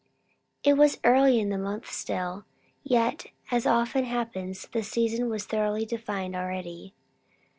It was early in the month still; yet, as often happens, the season was thoroughly defined already.